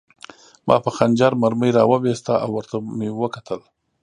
ما په خنجر مرمۍ را وویسته او ورته مې وکتل